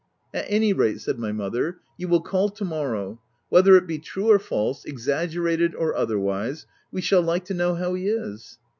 "At any rate," said my mother, " you will call to morrow. Whether it be true or false, exaggerated or otherwise we shall like to know how he is."